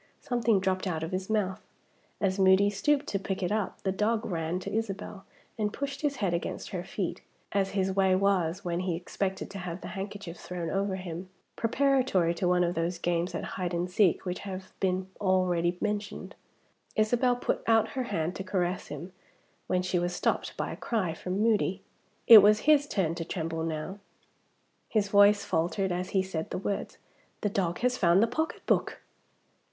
Something dropped out of his mouth. As Moody stooped to pick it up, the dog ran to Isabel and pushed his head against her feet, as his way was when he expected to have the handkerchief thrown over him, preparatory to one of those games at hide and seek which have been already mentioned. Isabel put out her hand to caress him, when she was stopped by a cry from Moody. It was his turn to tremble now. His voice faltered as he said the words, "The dog has found the pocketbook!"